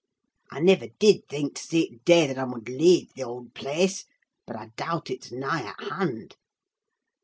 I niver did think to see t' day that I mud lave th' owld place—but I doubt it's nigh at hand!"